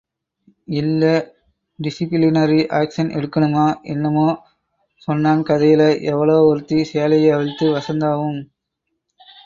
இல்ல disciplinary action எடுக்கணுமா... என்னமோ சொன்னான் கதையில... எவளோ ஒருத்தி சேலையை அவிழ்த்து... வசந்தாவும்.